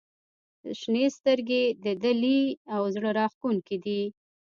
• شنې سترګې د دلې او زړه راښکونکې دي.